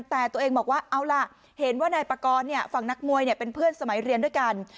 แต่ตัวเองบอกว่าเอาล่ะเห็นว่านายปากรฝั่งนักมวยเป็นเพื่อนสมัยเรียนด้วยกัน